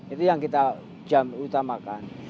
itu yang kita utamakan